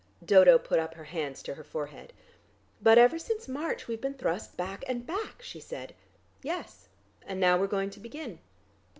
Dodo put up her hands to her forehead. "But ever since March we've been thrust back and back," she said. "Yes. And now we're going to begin."